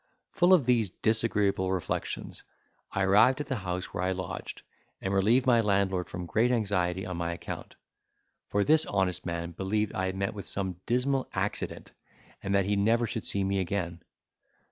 Full of these disagreeable reflections, I arrived at the house where I lodged, and relieved my landlord from great anxiety on my account; for this honest man believed I had met with some dismal accident, and that he never should see me again.